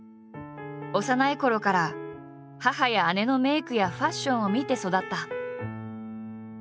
幼いころから母や姉のメイクやファッションを見て育った。